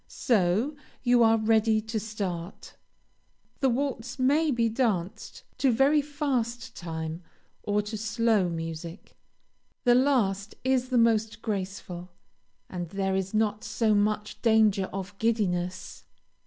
So, you are ready to start. The waltz may be danced to very fast time, or to slow music. The last is the most graceful, and there is not so much danger of giddiness.